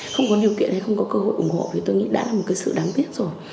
không có điều kiện hay không có cơ hội ủng hộ thì tôi nghĩ đã là một cái sự đáng tiếc rồi